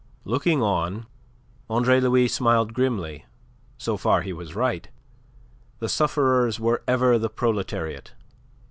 Looking on, Andre Louis smiled grimly. So far he was right. The sufferers were ever the proletariat.